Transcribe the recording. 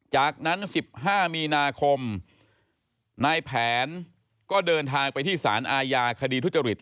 จากนั้น๑๕มีนาคมนายแผนก็เดินทางไปที่สารอาญาคดีทุจริต